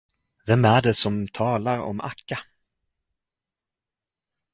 Vem är det, som talar om Akka?